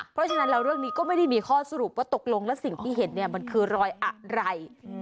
เพราะฉะนั้นแล้วเรื่องนี้ก็ไม่ได้มีข้อสรุปว่าตกลงแล้วสิ่งที่เห็นเนี่ยมันคือรอยอะไร